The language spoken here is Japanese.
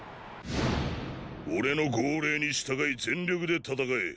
俺の号令に従い全力で戦え。